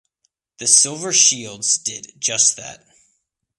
The Silver Shields did just that.